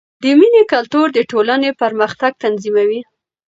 د مینې کلتور د ټولنې پرمختګ تضمینوي.